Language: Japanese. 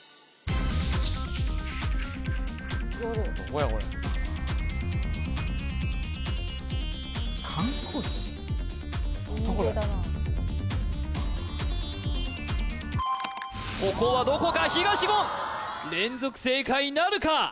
・どこやこれ観光地・海辺だなここはどこか東言連続正解なるか？